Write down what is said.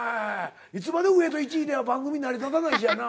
いつまでも上戸１位では番組成り立たないしやな。